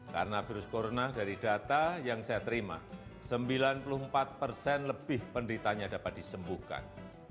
karena virus corona dari data yang saya terima sembilan puluh empat persen lebih peneritanya dapat disembuhkan